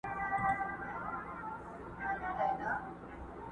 کرۍ ورځ به کړېدی د زوی له غمه٫